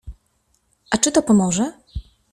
A czy to pomoże?